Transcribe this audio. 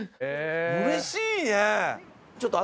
うれしいね。